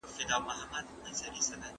کاردستي د ټولنې پرمختګ لپاره مهمه ده.